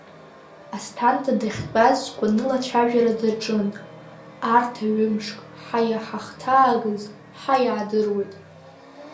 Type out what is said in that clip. Асҭанда дахьтәаз гәаныла ацәажәара даҿын, арҭ аҩымшк ҳа иҳахҭаагаз ҳа иаадыруеит.